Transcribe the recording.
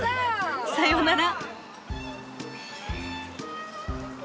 さようなら。